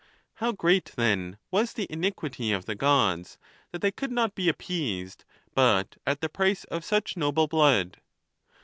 How great, then, was the iniquity of the Gods that they could not be appeased but at the price of such noble blood